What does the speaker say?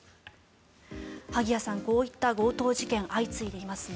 萩谷さん、こういった強盗事件が相次いでますね。